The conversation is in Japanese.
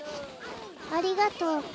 ありがとう。